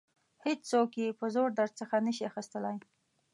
هیڅوک یې په زور درڅخه نشي اخیستلای.